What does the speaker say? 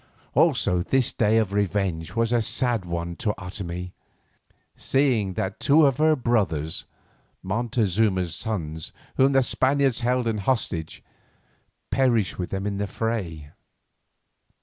Also this day of revenge was a sad one to Otomie, seeing that two of her brothers, Montezuma's sons whom the Spaniards held in hostage, perished with them in the fray.